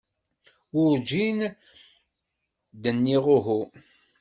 Werǧin d-nniɣ uhu.